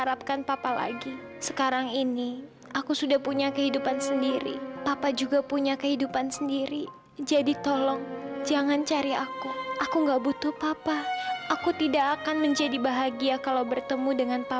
sampai jumpa di video selanjutnya